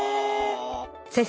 先生